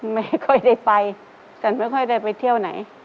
ไม่ค่อยได้ไปฉันไม่ค่อยได้ไปเที่ยวไหน